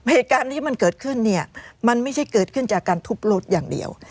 เหตุการณ์ที่มันเกิดขึ้นเนี่ยมันไม่ใช่เกิดขึ้นจากการทุบรถอย่างเดียว